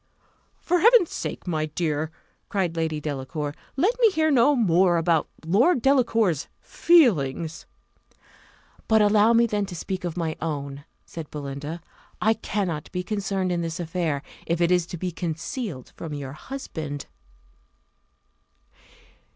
"For Heaven's sake, my dear," cried Lady Delacour, "let me hear no more about Lord Delacour's feelings." "But allow me then to speak of my own," said Belinda: "I cannot be concerned in this affair, if it is to be concealed from your husband."